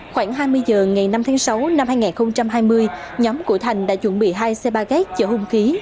khoảng hai mươi giờ ngày năm tháng sáu năm hai nghìn hai mươi nhóm của thành đã chuẩn bị hai xe ba gác chở hôn khí